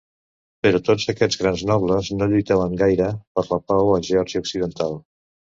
Però tots aquests grans nobles no lluitaven gaire per la pau a Geòrgia occidental.